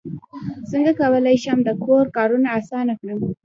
څنګه کولی شم د کور کارونه اسانه کړم